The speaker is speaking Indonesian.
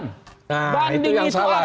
nah itu yang salah